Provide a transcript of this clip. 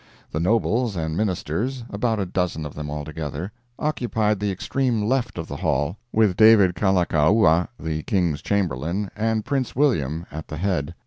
The nobles and Ministers (about a dozen of them altogether) occupied the extreme left of the hall, with David Kalakaua (the King's Chamberlain) and Prince William at the head.